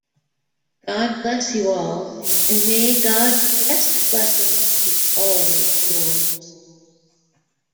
God bless you all and may God's best blessings be always yours.